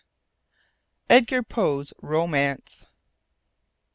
EDGAR POE'S ROMANCE.